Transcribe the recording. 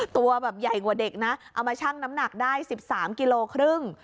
ตัวแบบใหญ่กว่าเด็กนะเอามาชั่งน้ำหนักได้๑๓กิโลครึ่ง